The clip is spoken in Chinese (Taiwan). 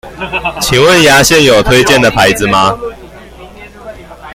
請問牙線有推薦的牌子嗎？